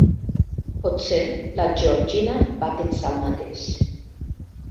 Potser la Georgina va pensar el mateix.